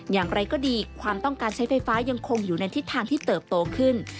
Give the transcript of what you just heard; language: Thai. อย่างไรก็ดีความต้องการใช้ไฟฟ้ายังคงอยู่ในทิศทางที่เติบโตขึ้น